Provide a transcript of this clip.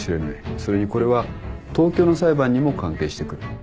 それにこれは東京の裁判にも関係してくる。